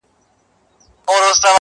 پوري زهر د خپل ښکار د غوښو خوند سو٫